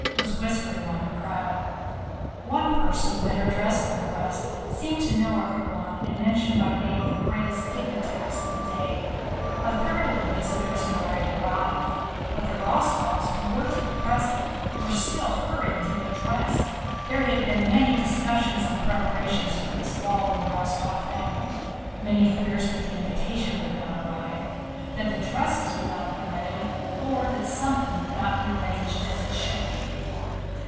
was whispered among the crowd. One person, better dressed than the rest, seemed to know everyone and mentioned by name the greatest dignitaries of the day. A third of the visitors had already arrived, but the Rostóvs, who were to be present, were still hurrying to get dressed. There had been many discussions and preparations for this ball in the Rostóv family, many fears that the invitation would not arrive, that the dresses would not be ready, or that something would not be arranged as it should be.